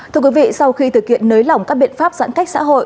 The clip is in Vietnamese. thưa quý vị sau khi thực hiện nới lỏng các biện pháp giãn cách xã hội